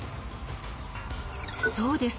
そうです。